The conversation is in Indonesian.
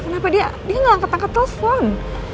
kenapa dia gak angkat angkat telfon